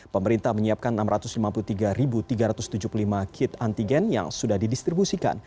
pemerintah menyiapkan enam ratus lima puluh tiga tiga ratus tujuh puluh lima kit antigen yang sudah didistribusikan